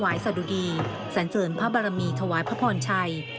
ถวายสะดุดีเสริมพระบรมีถวายพระพรภญชัย